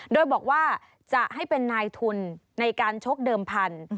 โดยบอกว่าจะให้เป็นนายทุนในการชกเดิมพันธุ์